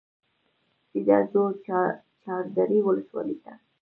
سیده ځو چاردرې ولسوالۍ ته.